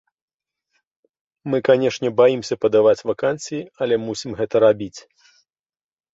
Мы, канешне, баімся падаваць вакансіі, але мусім гэта рабіць.